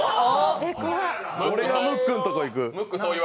俺がムックんとこいく。